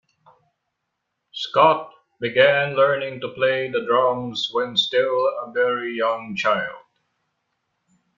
Scott began learning to play the drums when still a very young child.